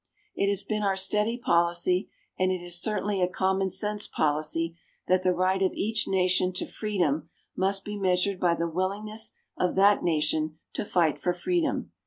It has been our steady policy and it is certainly a common sense policy that the right of each nation to freedom must be measured by the willingness of that nation to fight for freedom.